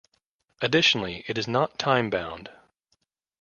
Additionally, it is not time bound.